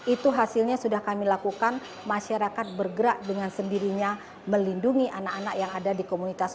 itu hasilnya sudah kami lakukan masyarakat bergerak dengan sendirinya melindungi anak anak yang ada di komunitas